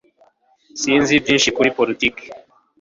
Sinzi byinshi kuri politiki